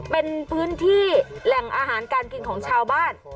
เป็นพื้นที่แหล่งอาหารการกินของชาวบ้าน